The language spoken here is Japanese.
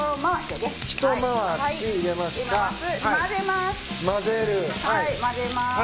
まぜます。